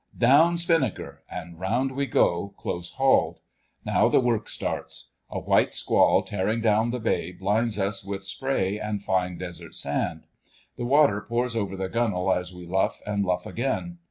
"Down spinnaker!" and round we go, close hauled. Now the work starts. A white squall tearing down the bay blinds us with spray and fine desert sand. The water pours over the gunwale as we luff and luff again.